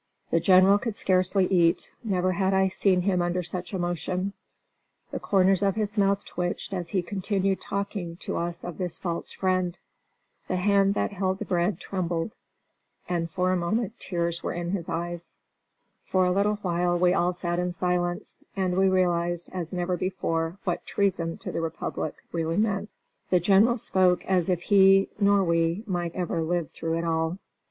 The General could scarcely eat. Never had I seen him under such emotion; the corners of his mouth twitched as he continued talking to us of this false friend. The hand that held the bread trembled and for a moment tears were in his eyes. For a little while we all sat in silence, and we realized as never before what treason to the republic really meant. The General spoke as if he, nor we, might ever live through it all.